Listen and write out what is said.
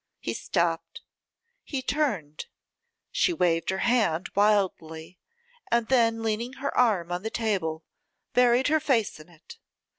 He stopped, he turned, she waved her hand wildly, and then leaning her arm on the table, buried her face in it.